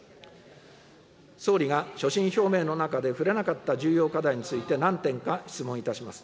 総理が所信表明の中で触れなかった重要課題について何点か質問いたします。